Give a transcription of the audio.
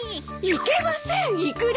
いけませんイクラ！